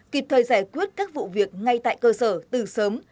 kịp thời giải quyết các vụ việc ngay tại cơ sở từ sớm